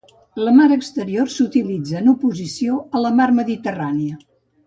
La mar Exterior s'utilitza en oposició a la mar Mediterrània.